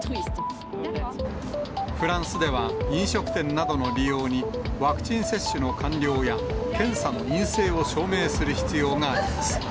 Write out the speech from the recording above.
フランスでは、飲食店などの利用に、ワクチン接種の完了や、検査の陰性を証明する必要があります。